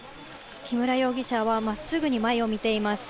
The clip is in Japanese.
木村容疑者はまっすぐに前を見ています。